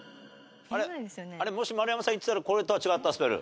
あれもし丸山さんいってたらこれとは違ったスペル？